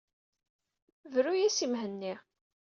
Bru-as i Mhenni.